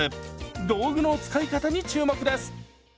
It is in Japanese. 道具の使い方に注目です！